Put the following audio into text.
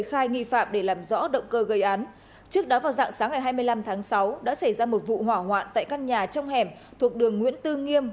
hai mươi năm tháng sáu đã xảy ra một vụ hỏa hoạn tại căn nhà trong hẻm thuộc đường nguyễn tư nghiêm